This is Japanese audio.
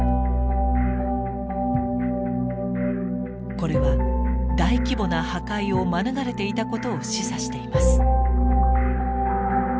これは大規模な破壊を免れていたことを示唆しています。